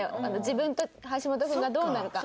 自分と橋本君がどうなるか。